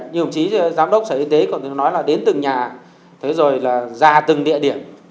như ông chí giám đốc sở y tế còn thường nói là đến từng nhà thế rồi là ra từng địa điểm